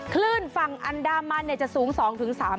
คลื่นฝั่งอันดามันจะสูง๒๓